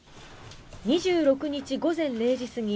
２６日午前０時過ぎ